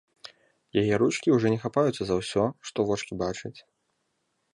Яе ручкі ўжо не хапаюцца за ўсё, што вочкі бачаць.